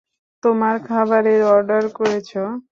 তোমার খাবারের অর্ডার করেছ?